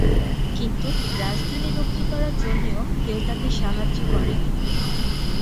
কিন্তু রাজধানী রক্ষা করার জন্যও কেউ তাকে সাহায্য করেনি।